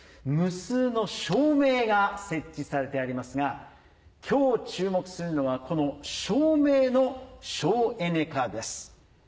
無数の照明が設置されてありますが今日注目するのはこの照明の省エネ化です。